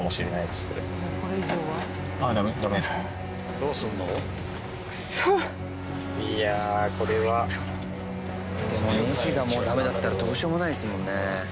どうするの？でもネジがもうダメだったらどうしようもないですもんね。